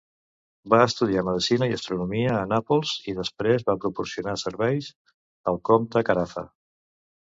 Va estudiar medicina i astronomia a Nàpols i, després, va proporcionar serveis al comte Carafa.